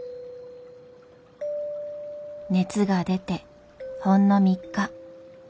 熱が出てほんの３日。